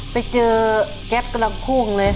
ไปเจอแก๊ปกำลังพุ่งเลย